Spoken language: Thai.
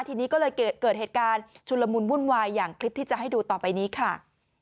ทีนี้ก็เลยเกิดเหตุการณ์ชุนละมุนวุ่นวายอย่างคลิปที่จะให้ดูต่อไปนี้ค่ะ